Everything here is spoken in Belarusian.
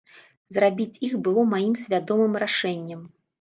Зрабіць іх было маім свядомым рашэннем.